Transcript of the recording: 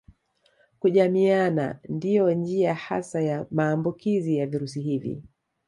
Kujamiiana ndiyo njia hasa ya maambukizi ya virusi hivi